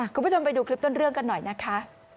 คุณผู้ชมไปดูคลิปต้นเรื่องกันหน่อยนะคะ